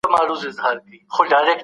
حکومت د نړیوالي محکمې پریکړه نه ردوي.